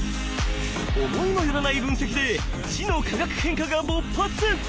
思いも寄らない分析で「知」の化学変化が勃発！